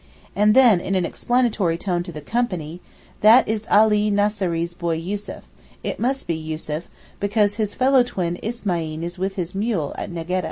And then in an explanatory tone to the company, 'That is Alee Nasseeree's boy Yussuf—it must be Yussuf, because his fellow twin Ismaeen is with his mule at Negadeh.